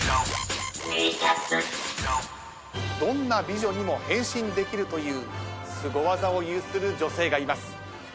どんな美女にも変身できるというすご技を有する女性がいます。